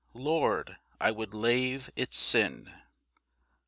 Lord, I would lave its sin.